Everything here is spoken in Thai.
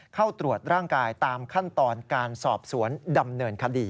เข้าตรวจร่างกายตามขั้นตอนการสอบสวนดำเนินคดี